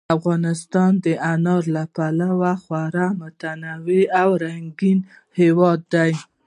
افغانستان د انارو له پلوه یو خورا متنوع او رنګین هېواد دی.